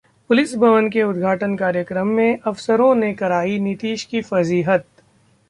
police भवन के उद्घाटन कार्यक्रम में अफसरों ने कराई नीतीश की फजीहत